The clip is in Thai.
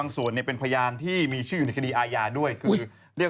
ขณะตอนอยู่ในสารนั้นไม่ได้พูดคุยกับครูปรีชาเลย